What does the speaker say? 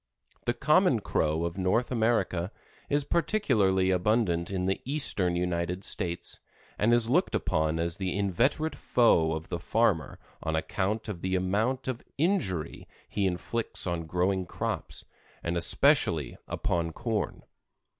The common Crow of North America is particularly abundant in the Eastern United States, and is looked upon as the inveterate foe of the farmer on account of the amount of injury he inflicts on growing crops, and especially upon corn.